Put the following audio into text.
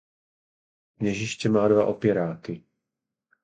Kněžiště má dva opěráky.